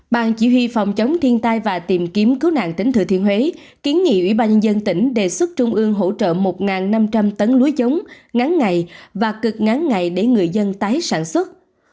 ban chỉ huy phòng chống thiên tai và tìm kiếm cứu nạn tỉnh thừa thiên huế kiến nghị ủy ban nhân dân tỉnh đề xuất trung ương hỗ trợ một năm trăm linh tấn lúa giống ngắn ngày và cực ngắn ngày để người dân tái sản xuất